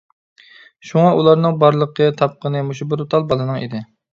شۇڭا ئۇلارنىڭ بارلىقى، تاپقىنى مۇشۇ بىر تال بالىنىڭ ئىدى.